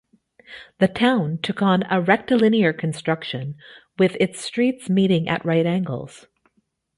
The town took on a rectlinear construction, with its streets meeting at right angles.